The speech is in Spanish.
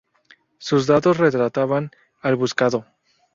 Sus datos "retrataban" al buscado.